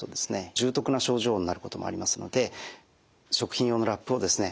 重篤な症状になることもありますので食品用のラップをですね